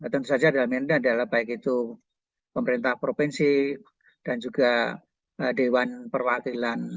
tentu saja dalam ini adalah baik itu pemerintah provinsi dan juga dewan perwakilan